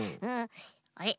あれ？